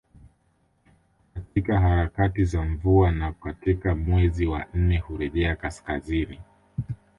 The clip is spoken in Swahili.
Katika harakati za mvua na katika mwezi wa nne hurejea kaskazini